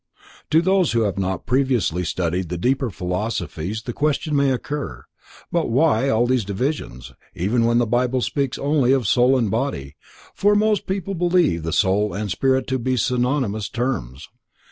To those who have not previously studied the deeper philosophies the question may occur: But why all these divisions; even the Bible speaks only of soul and body, for most people believe soul and spirit to be synonymous terms.